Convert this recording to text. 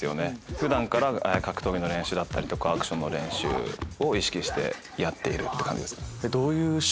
普段から格闘技の練習だったりとかアクションの練習を意識してやっているって感じです。